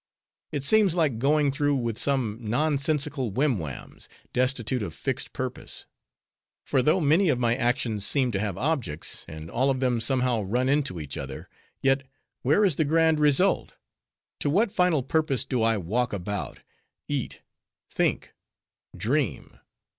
It seems like going through with some nonsensical whim whams, destitute of fixed purpose. For though many of my actions seem to have objects, and all of them somehow run into each other; yet, where is the grand result? To what final purpose, do I walk about, eat, think, dream?